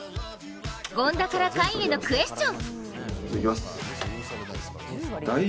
権田から甲斐へのクエスチョン。